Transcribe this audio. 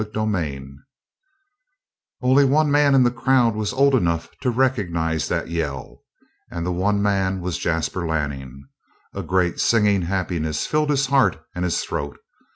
CHAPTER 4 Only one man in the crowd was old enough to recognize that yell, and the one man was Jasper Lanning. A great, singing happiness filled his heart and his throat.